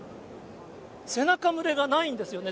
背中蒸れがないんですね。